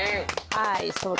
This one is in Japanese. はい。